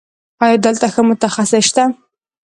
ایا دلته ښه متخصص شته؟